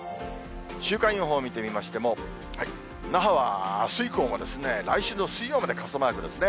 週間予報を見てみましても、那覇はあす以降も、来週の水曜まで傘マークですね。